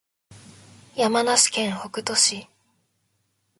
山梨県北杜市